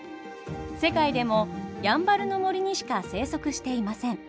世界でもやんばるの森にしか生息していません。